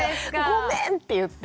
「ごめん！」って言って。